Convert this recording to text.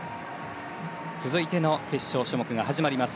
続いての決勝種目が始まります。